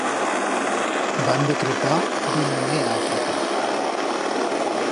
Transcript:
Vam decretar d'ir-mo'ne a Africa.